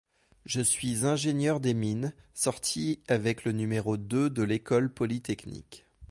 Je suis ingénieur des Mines, sorti avec le numéro deux de l’École polytechnique.